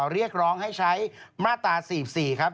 เรียกร้องให้ใช้มาตรา๔๔ครับ